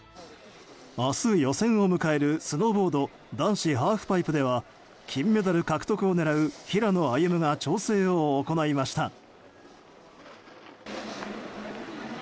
明日、予選を迎えるスノーボード男子ハーフパイプでは金メダル獲得を狙う平野歩夢が調整を行いました。